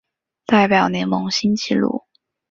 代表联盟新纪录